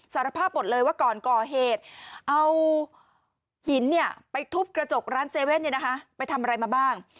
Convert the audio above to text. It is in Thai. สารภาพบทเลยว่าก่อนก่อเหตุเอาหินเนี่ยไปทุบกระจกร้านเซเว่นเนี่ยนะคะไปทำอะไรมาบ้าง